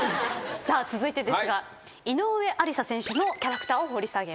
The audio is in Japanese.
続いてですが井上愛里沙選手のキャラクターを掘り下げます。